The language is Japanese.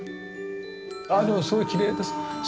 ああでもすごいきれいです。